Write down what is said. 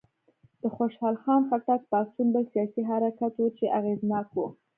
د خوشحال خان خټک پاڅون بل سیاسي حرکت و چې اغېزناک و.